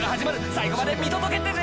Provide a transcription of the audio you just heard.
最後まで見届けてね！